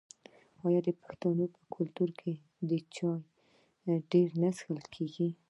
آیا د پښتنو په کلتور کې چای ډیر نه څښل کیږي؟